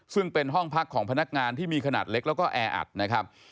ซึ่งเป็นห้องพักของพนักงานที่มีขนาดเล็กแล้วก็แออัดนะครับ